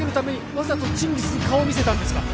わざとチンギスに顔を見せたんですか？